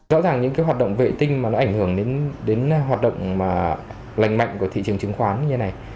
rõ ràng những cái hoạt động vệ tinh mà nó ảnh hưởng đến hoạt động lành mạnh của thị trường chứng khoán như thế này